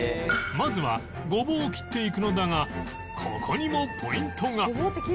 まずはごぼうを切っていくのだがここにもポイントが